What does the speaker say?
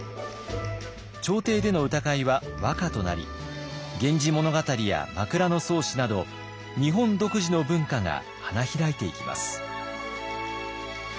朝廷での歌会は和歌となり「源氏物語」や「枕草子」など日本独自の文化が花開いていきます。